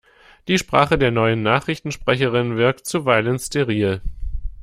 Die Sprache der neuen Nachrichtensprecherin wirkt zuweilen steril.